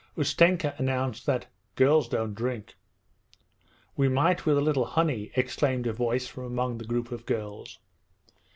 Ustenka announced that girls don't drink. 'We might with a little honey,' exclaimed a voice from among the group of girls.